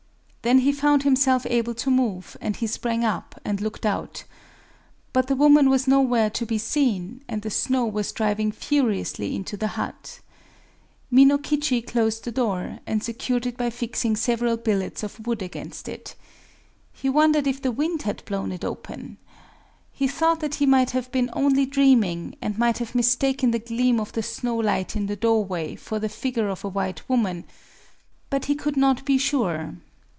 Then he found himself able to move; and he sprang up, and looked out. But the woman was nowhere to be seen; and the snow was driving furiously into the hut. Minokichi closed the door, and secured it by fixing several billets of wood against it. He wondered if the wind had blown it open;—he thought that he might have been only dreaming, and might have mistaken the gleam of the snow light in the doorway for the figure of a white woman: but he could not be sure.